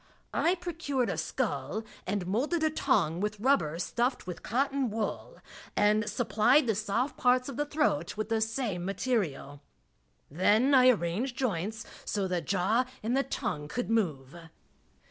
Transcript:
I procured a skull and molded a tongue with rubber stuffed with cotton wool, and supplied the soft parts of the throat with the same material Then I arranged joints, so the jaw and the tongue could move.